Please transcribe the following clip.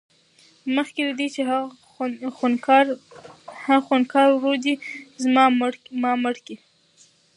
مخکې له دې چې هغه خونکار ورور دې زما زوى مړ کړي.